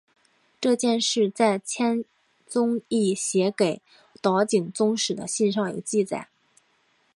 这件事在千宗易写给岛井宗室的信上有记载。